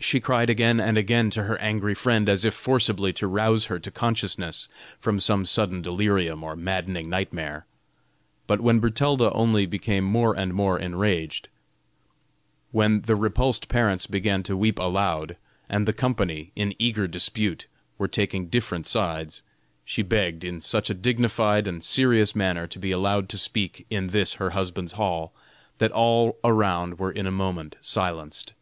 she cried again and again to her angry friend, as if forcibly to rouse her to consciousness from some sudden delirium or maddening nightmare. But when Bertalda only became more and more enraged, when the repulsed parents began to weep aloud, and the company, in eager dispute, were taking different sides, she begged in such a dignified and serious manner to be allowed to speak in this her husband's hall, that all around were in a moment silenced.